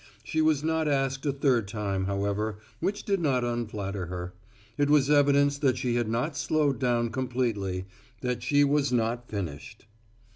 She was not asked a third time, however, which did not unflatter her. It was evidence that she had not slowed down completely that she was not finished.